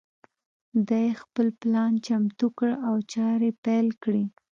دای خپل پلان چمتو کړ او چارې پیل کړې.